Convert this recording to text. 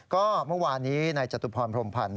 ก็เมื่อวานนี้นายจตุพรพรมพันธ์